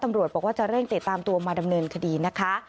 ตำรวจบอกว่าจะเร่งติดตามตัวมาดำเนินคดีนะคะ